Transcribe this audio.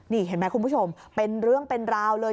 นี่เห็นไหมคุณผู้ชมเป็นเรื่องเป็นราวเลย